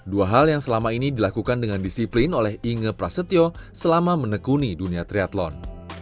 dua hal yang selama ini dilakukan dengan disiplin oleh inge prasetyo selama menekuni dunia triathlon